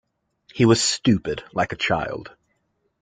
He was stupid like a child.